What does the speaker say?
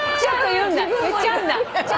言っちゃうんだ。